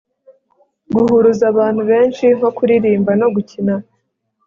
guhuruza abantu benshi nko kuririmba no gukina